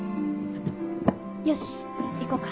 よし行こうか。